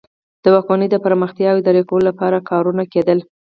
د واکمنۍ د پراختیا او اداره کولو لپاره کارونه کیدل.